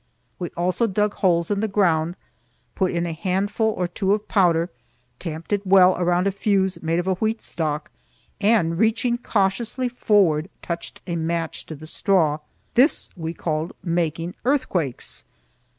We also dug holes in the ground, put in a handful or two of powder, tamped it well around a fuse made of a wheat stalk, and, reaching cautiously forward, touched a match to the straw. This we called making earthquakes.